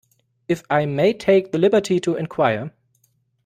If I may take the liberty to inquire.